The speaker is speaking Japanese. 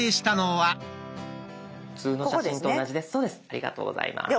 ありがとうございます。